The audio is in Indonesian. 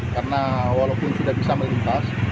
karena walaupun sudah bisa melintas